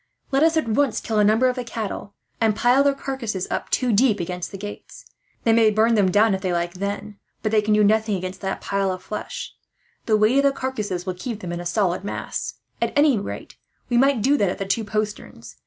Let us at once kill a number of the cattle, and pile their carcasses up, two deep, against the gates. They may burn them down if they like, then, but they can do nothing against that pile of flesh; the weight of the carcasses will keep them in a solid mass. At any rate, we might do that at the two posterns.